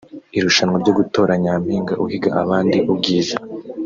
Irushanwa ryo gutora Nyampinga uhiga abandi ubwiza